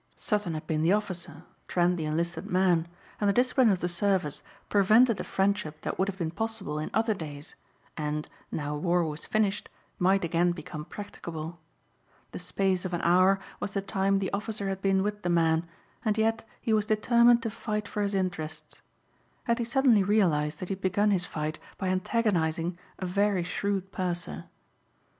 Sutton had been the officer; Trent the enlisted man and the discipline of the service prevented a friendship that would have been possible in other days and, now war was finished, might again become practicable. The space of an hour was the time the officer had been with the man and yet he was determined to fight for his interests. And he suddenly realized that he had begun his fight by antagonizing a very shrewd purser.